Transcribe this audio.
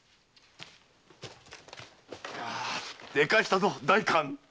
でかしたぞ代官！